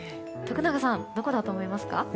徳永さん、どこだと思いますか？